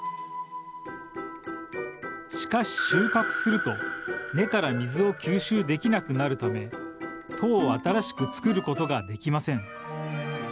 しかし収穫すると根から水を吸収できなくなるため糖を新しくつくることができません。